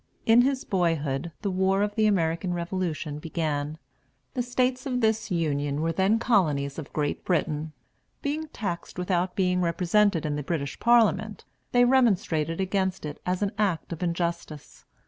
In his boyhood the war of the American Revolution began. The States of this Union were then colonies of Great Britain. Being taxed without being represented in the British Parliament, they remonstrated against it as an act of injustice.